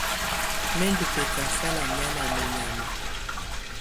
Mɛ̀ ndù bɛ̀kasala nɛ̀á ná mɛnyàma.